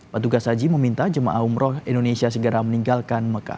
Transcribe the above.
petugas haji meminta jemaah umroh indonesia segera meninggalkan mekah